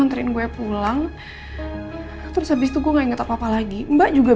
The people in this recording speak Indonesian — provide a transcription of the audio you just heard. nino kan di rumah